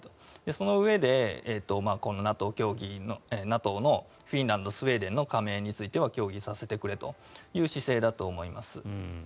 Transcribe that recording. そのうえでこのＮＡＴＯのフィンランド、スウェーデンの加盟については協議させてくれという姿勢だと思います。